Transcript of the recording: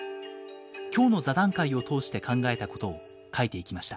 今日の座談会を通して考えたことを書いていきました。